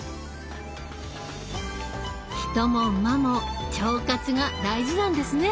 人も馬も腸活が大事なんですね！